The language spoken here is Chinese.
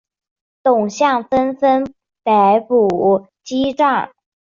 董相纷纷逮捕击杖。